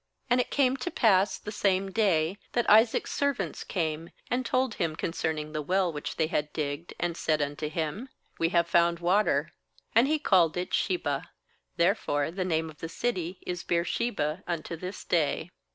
32And it came to pass the teame day, that Isaac's servants came, and told him concerning the well which they had digged, and said unto him: 'We have found water,' ^And he called it a That is, Enmity. Shibah. Therefore the name of the city is Beer sheba unto this day.